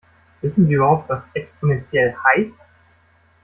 Wissen Sie überhaupt, was exponentiell heißt?